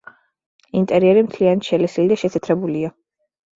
ინტერიერი მთლიანად შელესილი და შეთეთრებულია.